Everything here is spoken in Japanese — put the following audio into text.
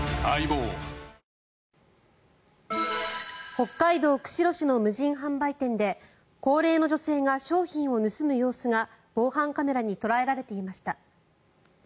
北海道釧路市の無人販売店で高齢の女性が商品を盗む様子が防犯カメラに捉えられていました。